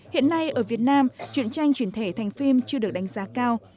hiện nay ở việt nam chuyện tranh chuyển thể thành phim chưa được đánh giá cao